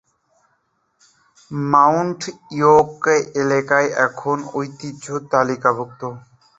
Mount York এলাকা এখন ঐতিহ্য-তালিকাভুক্ত।